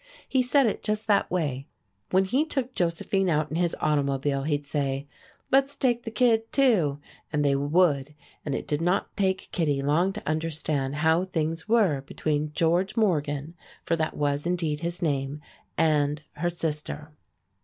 He said it just that way. When he took Josephine out in his automobile he'd say, "Let's take the kid, too," and they would, and it did not take Kittie long to understand how things were between George Morgan for that was indeed his name and her sister.